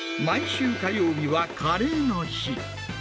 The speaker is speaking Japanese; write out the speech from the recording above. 毎週火曜日はカレーの日。